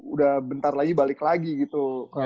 udah bentar lagi balik lagi gitu